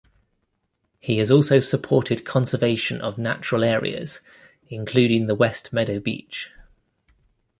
He also supported conservation of natural areas, including the West Meadow Beach.